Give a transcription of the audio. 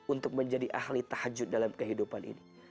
untuk menjadi ahli tahajud dalam kehidupan ini